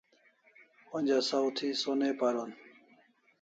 Onja saw thi sonai paron